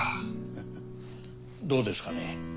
ハハどうですかね？